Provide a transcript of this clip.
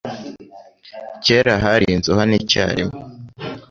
Kera hari inzu hano icyarimwe.